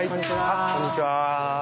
あこんにちは。